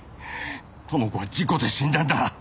知子は事故で死んだんだ。